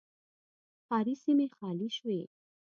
ښاري سیمې خالي شوې